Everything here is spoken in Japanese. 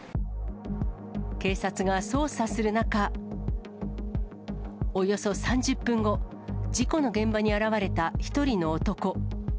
警察が捜査する中、およそ３０分後、事故の現場に現れた１人の男。